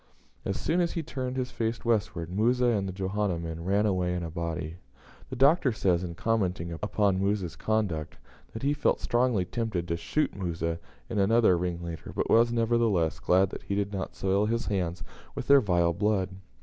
As soon as he turned his face westward, Musa and the Johanna men ran away in a body. The Doctor says, in commenting upon Musa's conduct, that he felt strongly tempted to shoot Musa and another ringleader, but was, nevertheless, glad that he did not soil his hands with their vile blood.